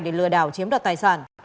để lừa đảo chiếm đặt tài sản